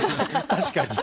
確かに。